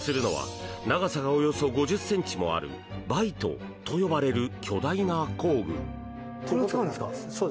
使用するのは長さがおよそ５０ｃｍもあるバイトと呼ばれる巨大な工具。